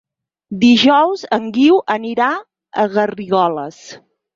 Dijous en Guiu anirà a Garrigoles.